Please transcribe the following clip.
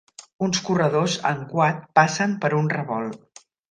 Uns corredors en quad passen per un revolt.